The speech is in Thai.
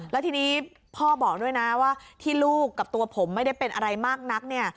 แล้วทีนี้พ่อบอกด้วยนะว่าที่ลูกกับตัวผมไม่ได้เป็นอะไรมากนักเนี่ย